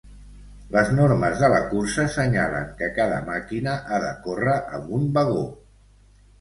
Les normes de la cursa senyalen que cada màquina ha de córrer amb un vagó.